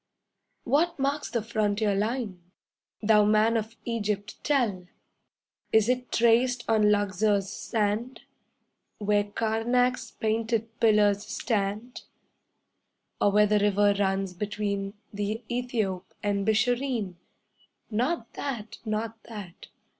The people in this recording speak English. What marks the frontier line? Thou man of Egypt, tell! Is it traced on Luxor's sand, Where Karnak's painted pillars stand, Or where the river runs between The Ethiop and Bishareen? 'Not that! Not that!